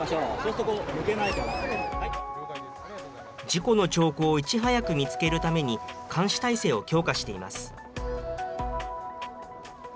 事故の兆候をいち早く見つけるために、監視態勢を強化しています。